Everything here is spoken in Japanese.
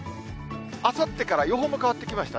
あさってから予報も変わってきました。